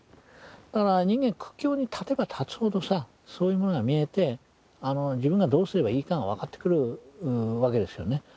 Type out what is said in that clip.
だから人間苦境に立てば立つほどさそういうものが見えて自分がどうすればいいかが分かってくるわけですよね。